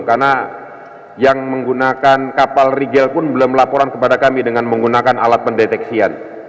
karena yang menggunakan kapal rigel pun belum laporan kepada kami dengan menggunakan alat pendeteksian